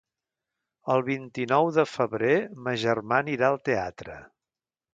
El vint-i-nou de febrer ma germana irà al teatre.